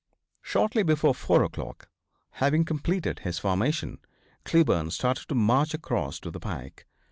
Shortly before 4 o'clock, having completed his formation, Cleburne started to march across to the pike.